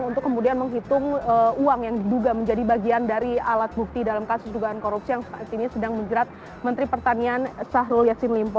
untuk kemudian menghitung uang yang diduga menjadi bagian dari alat bukti dalam kasus dugaan korupsi yang saat ini sedang menjerat menteri pertanian sahrul yassin limpo